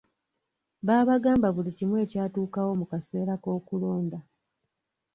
Baabagamba buli kimu ekyatuukawo mu kaseera k'okulonda.